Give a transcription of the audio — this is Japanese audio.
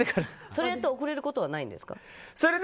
それやって遅れることはないんですか？